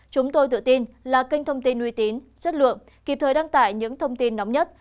chúng tôi tự tin là kênh thông tin uy tín chất lượng kịp thời đăng tải những thông tin nóng nhất